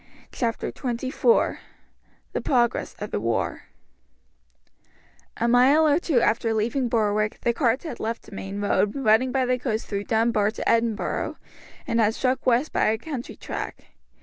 Chapter XXIV The Progress of the War A mile or two after leaving Berwick the cart had left the main road running by the coast through Dunbar to Edinburgh, and had struck west by a country track.